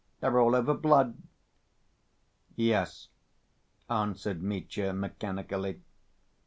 They're all over blood!" "Yes," answered Mitya mechanically.